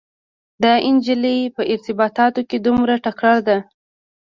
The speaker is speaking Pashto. دا انجلۍ په ارتباطاتو کې دومره تکړه ده.